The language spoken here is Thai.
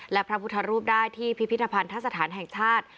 และพระพุทธรูปได้ที่พิพิธภัณฑสถานแห่งชาติ